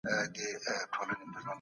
په حضوري ټولګي کي فعال ګډون وکړه.